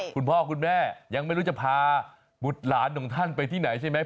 คุณพ่อคุณแม่ยังไม่รู้จะพาบุตรหลานของท่านไปที่ไหนใช่ไหม